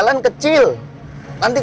yang kecil di tempat ini